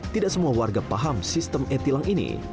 tidak semua warga paham sistem e tilang ini